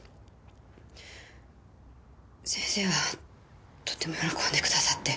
先生はとっても喜んでくださって。